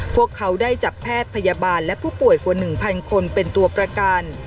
พวกเขาได้จับแพทย์พยาบาลและผู้ป่วยกว่า๑๐๐คนเป็นตัวประกัน